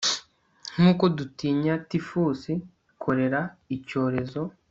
nkuko dutinya tifusi, kolera, icyorezo